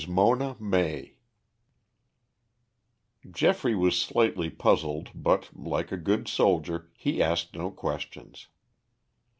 MONA MAY Geoffrey was slightly puzzled but, like a good soldier, he asked no questions.